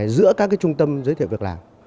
giữa các cái trung tâm giới thiệu việc làm